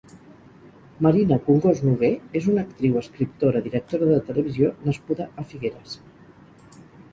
Marina Congost Nogué és una actriu, escriptora, directora de televisió nascuda a Figueres.